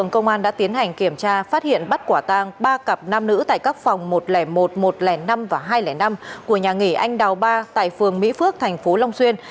công an đã tiến hành kiểm tra phát hiện bắt quả tang ba cặp nam nữ tại các phòng một trăm linh một một trăm linh năm và hai trăm linh năm của nhà nghỉ anh đào ba tại phường mỹ phước thành phố long xuyên